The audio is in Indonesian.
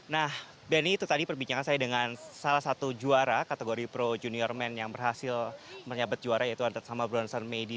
nah benny itu tadi perbincangan saya dengan salah satu juara kategori pro junior men yang berhasil menyabet juara yaitu adat sama bronson meidi